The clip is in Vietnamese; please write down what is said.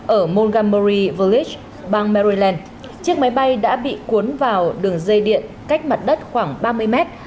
ở montgomery village bang maryland chiếc máy bay đã bị cuốn vào đường dây điện cách mặt đất khoảng ba mươi mét